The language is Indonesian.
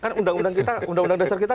kan undang undang dasar kita